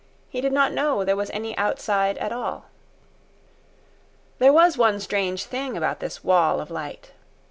He did not know there was any outside at all. There was one strange thing about this wall of light.